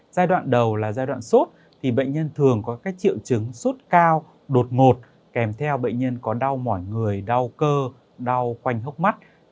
giai đoạn đầu là giai đoạn sốt thì bệnh nhân thường có các triệu chứng sốt cao đột ngột kèm theo bệnh nhân có đau mỏi người đau cơ đau quanh hốc mắt